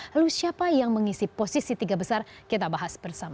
lalu siapa yang mengisi posisi tiga besar kita bahas bersama